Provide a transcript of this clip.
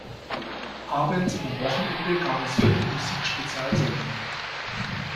Abends und am Wochenende gab es viele Musik-Spezialsendungen.